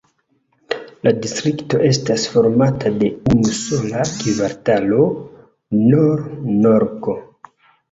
La distrikto estas formata de unu sola kvartalo: Nor-Norko.